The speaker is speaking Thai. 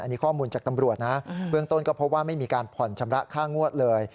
อันนี้ข้อมูลจากตำรวจนะเบื้องต้นก็พบว่าไม่มีการผ่อนชำระค่างวดเลย